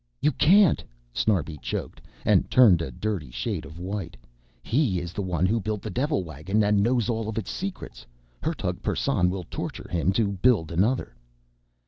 "You can't!" Snarbi choked, and turned a dirty shade of white. "He is the one who built the devil wagon and knows all of its secrets. Hertug Persson will torture him to build another."